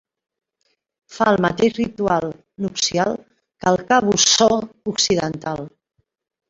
Fa el mateix ritual nupcial que el cabussó occidental.